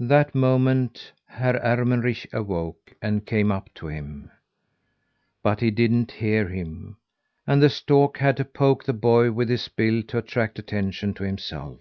That moment Herr Ermenrich awoke, and came up to him. But he didn't hear him, and the stork had to poke the boy with his bill to attract attention to himself.